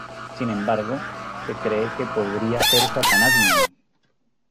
Sin embargo, se cree que podría ser Satanás mismo.